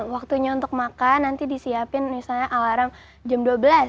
waktunya untuk makan nanti disiapin misalnya alarm jam dua belas